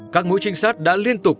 các mũi trinh sát đã liên tục